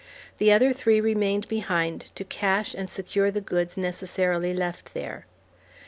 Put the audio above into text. The other three remained behind to cache and secure the goods necessarily left there.